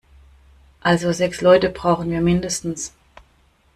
Also sechs Leute brauchen wir mindestens.